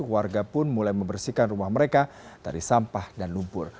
warga pun mulai membersihkan rumah mereka dari sampah dan lumpur